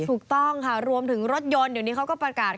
ถูกต้องค่ะรวมถึงรถยนต์เดี๋ยวนี้เขาก็ประกาศ